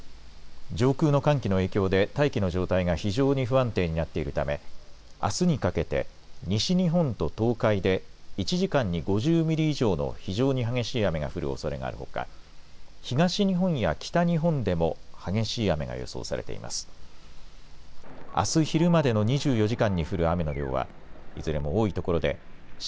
上空の寒気の影響で大気の状態が非常に不安定になっているため、あすにかけて、西日本と東海で１時間に５０ミリ以上の非常に激しい雨が降るおそれがあるほか、東日本や北日本でも、激しい雨が予想されています。